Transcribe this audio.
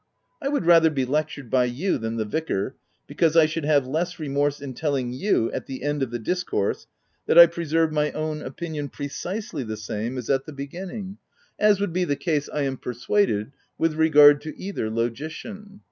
I would rather be lectured by you than the vicar, because, I should have less remorse in telling you, at the end of the discourse, that I preserve my own opinion precisely the same as at the beginning — as would be the case, I am persuaded, with regard to either logician."